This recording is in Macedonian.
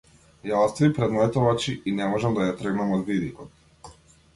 Ја остави пред моите очи и не можам да ја тргнам од видикот.